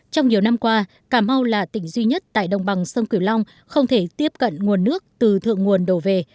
trong nhiều năm qua cà mau là tỉnh duy nhất tại đồng bằng sông cửu long không thể tiếp cận nguồn nước từ thượng nguồn đổ về